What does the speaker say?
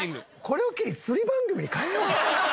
これを機に釣り番組に変えよう。